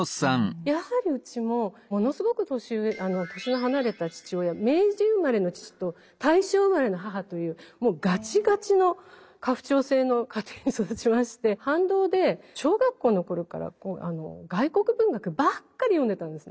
やはりうちもものすごく年上年の離れた父親明治生まれの父と大正生まれの母というガチガチの家父長制の家庭に育ちまして反動で小学校の頃から外国文学ばっかり読んでたんですね。